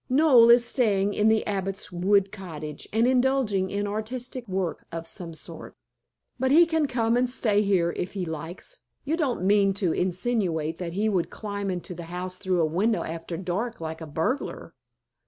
Noel is staying in the Abbot's Wood Cottage, and indulging in artistic work of some sort. But he can come and stay here, if he likes. You don't mean to insinuate that he would climb into the house through a window after dark like a burglar?"